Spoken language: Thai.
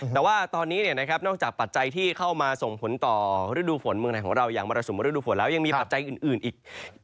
แต่ว่าตอนนี้นอกจากปัจจัยที่เข้ามาส่งผลต่อฤดูฝนเมืองไหนของเราอย่างมรสุมฤดูฝนแล้วยังมีปัจจัยอื่นอีก